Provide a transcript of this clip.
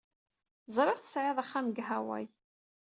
Ẓriɣ tesɛid axxam deg Hawaii.